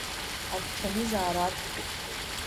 Агәаҽанызаара аҭахуп.